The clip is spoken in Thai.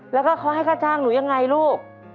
แล้วก็เขาให้ค่าจ้างหนูยังไงลูก